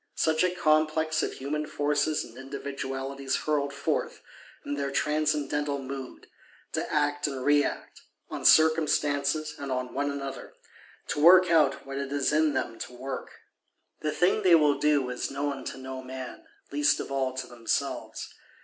Such a Complex of human Forces and Individualities hurled forth, in their transcendental mood, to act and react, on circumstances and on one another; to work out what it is in them to work. The thing they will do is known to no man; least of all to themselves.